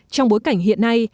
trong bối cảnh hiện nay